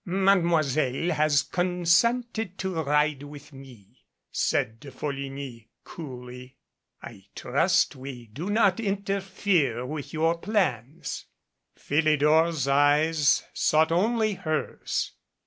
"Mademoiselle has consented to ride with me," said De Folligny coolly. "I trust we do not interfere with your plans." Philidor's eyes sought only hers.